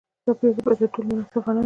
دا پرېکړه به تر ټولو منصفانه وي.